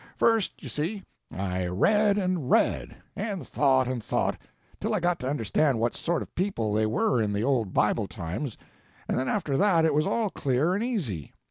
First, you see, I read and read, and thought and thought, till I got to understand what sort of people they were in the old Bible times, and then after that it was all clear and easy.